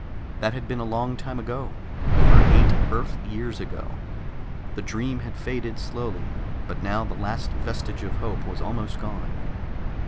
That had been a long time ago, over eight Earth years ago; the dream had faded slowly, but now the last vestige of hope was almost gone.